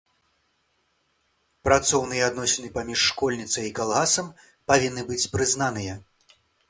Працоўныя адносіны паміж школьніцай і калгасам павінны быць прызнаныя.